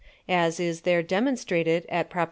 As is there demonstrated at _Prop.